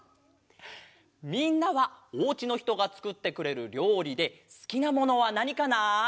みんなはおうちのひとがつくってくれるりょうりですきなものはなにかな？